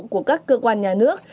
của các cơ quan nhà nước